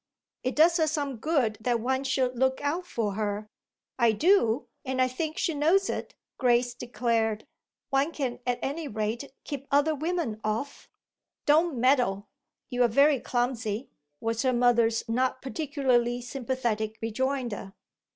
"It does her some good that one should look out for her. I do, and I think she knows it," Grace declared. "One can at any rate keep other women off." "Don't meddle you're very clumsy," was her mother's not particularly sympathetic rejoinder.